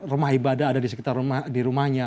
rumah ibadah ada di sekitar di rumahnya